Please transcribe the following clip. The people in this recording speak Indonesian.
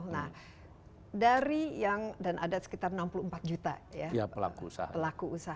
nah dari yang dan ada sekitar enam puluh empat juta ya pelaku usaha